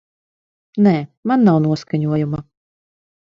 Nē, man nav noskaņojuma.